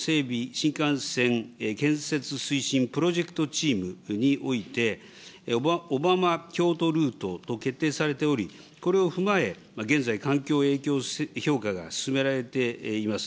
新幹線建設推進プロジェクトチームにおいて、小浜・京都ルートと決定されており、これを踏まえ現在、環境影響評価が進められています。